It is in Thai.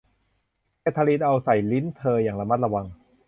แคททาลีนเอาใส่ลิ้นเธออย่างระมัดระวัง